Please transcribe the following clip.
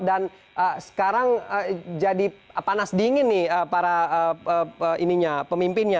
dan sekarang jadi panas dingin nih para pemimpinnya